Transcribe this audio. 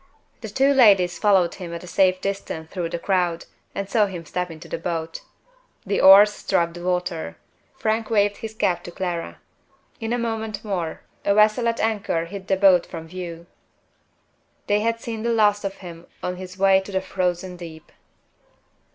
The two ladies followed him at a safe distance through the crowd, and saw him step into the boat. The oars struck the water; Frank waved his cap to Clara. In a moment more a vessel at anchor hid the boat from view. They had seen the last of him on his way to the Frozen Deep!